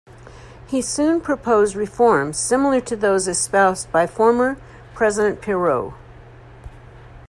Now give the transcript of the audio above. He soon proposed reforms similar to those espoused by former President Pierrot.